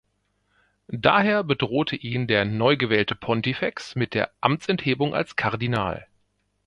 Daher bedrohte ihn der neugewählte Pontifex mit der Amtsenthebung als Kardinal.